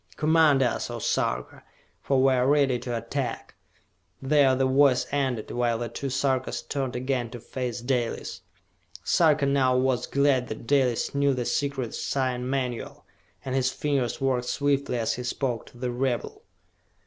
Command us, O Sarka, for we are ready to attack!" There the voice ended, while the two Sarkas turned again to face Dalis. Sarka now was glad that Dalis knew the secret sign manual, and his fingers worked swiftly as he spoke to the rebel.